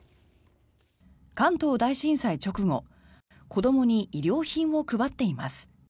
関東大震災直後子どもに衣料品を配っています。